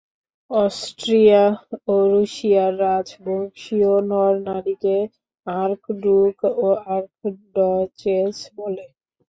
অষ্ট্রীয়া ও রুশিয়ার রাজবংশীয় নর-নারীকে আর্ক-ড্যুক ও আর্ক-ডচেস বলে।